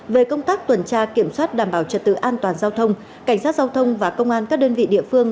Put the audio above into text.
về công tác tuần tra kiểm soát đảm bảo trật tự an toàn giao thông cảnh sát giao thông và công an các đơn vị địa phương